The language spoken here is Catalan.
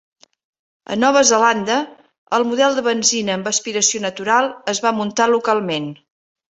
A Nova Zelanda, el model de benzina amb aspiració natural es va muntar localment.